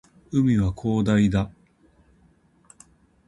海は広大だ